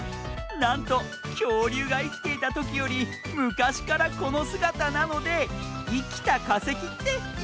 なんときょうりゅうがいきていたときよりむかしからこのすがたなので「いきたかせき」っていわれているんだ。